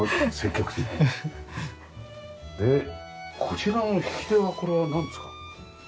こちらの引き手はこれはなんですか？